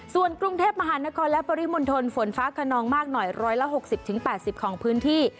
ส่วนกรุงเทพมหานครและปริมณฑลฝนฟ้าขนองมากหน่อย๑๖๐๘๐ของพื้นที่